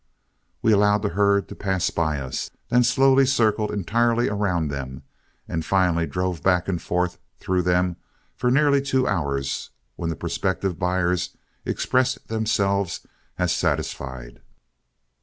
We allowed the herd to pass by us, then slowly circled entirely around them, and finally drove back and forth through them for nearly two hours, when the prospective buyers expressed themselves as satisfied.